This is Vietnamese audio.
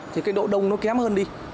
thì cái độ đông nó kém hơn đi